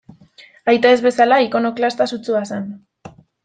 Aita ez bezala, ikonoklasta sutsua zen.